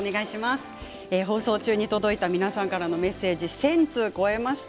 放送中に届いた皆さんからのメッセージ、１０００通超えました。